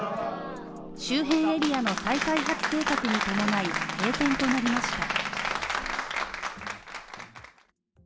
周辺エリアの再開発計画に伴い閉店となりました。